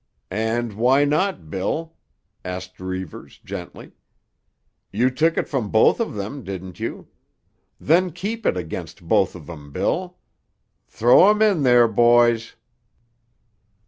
"And why not, Bill?" asked Reivers gently. "You took it from both of them, didn't you? Then keep it against both of 'em, Bill. Throw 'em in there, boys!"